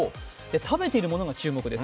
食べているものが注目です。